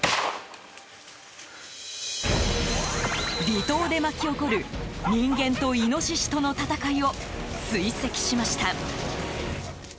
離島で巻き起こる人間とイノシシとの闘いを追跡しました。